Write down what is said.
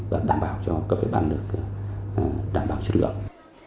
và đảm bảo cho các bếp ăn được đảm bảo chất lượng